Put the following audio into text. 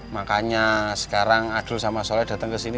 makanya sekarang abdul sama soleh datang ke sini